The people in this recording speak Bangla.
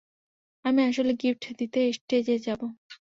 আমি আসলে গিফট দিতে স্টেজে যাবো।